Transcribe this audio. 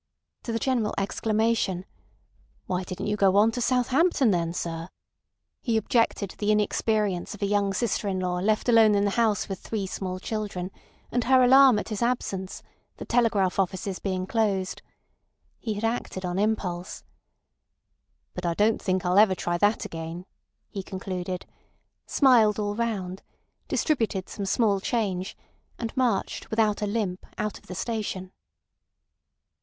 To the general exclamation, "Why didn't you go on to Southampton, then, sir?" he objected the inexperience of a young sister in law left alone in the house with three small children, and her alarm at his absence, the telegraph offices being closed. He had acted on impulse. "But I don't think I'll ever try that again," he concluded; smiled all round; distributed some small change, and marched without a limp out of the station.